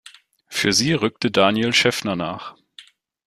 Für sie rückte Daniel Schäffner nach.